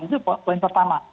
itu poin pertama